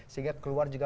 sehingga keluar juga